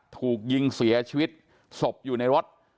ถูกยิงเสียชีวิตศพอยู่ในรถ